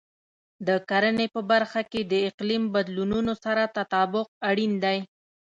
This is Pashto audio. د کرنې په برخه کې د اقلیم بدلونونو سره تطابق اړین دی.